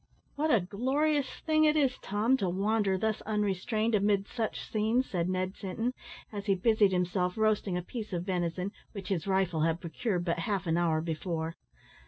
"What a glorious thing it is, Tom, to wander thus unrestrained amid such scenes!" said Ned Sinton, as he busied himself roasting a piece of venison, which his rifle had procured but half an hour before.